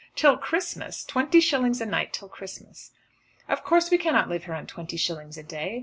"Till Christmas; twenty shillings a night till Christmas." "Of course we cannot live here on twenty shillings a day.